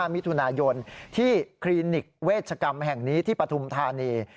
มิถุนายนที่คลินิกเวชกรรมแห่งนี้ที่ปฐุมธานี